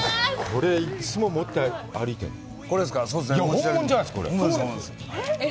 これ、いつも持って歩いてるの！？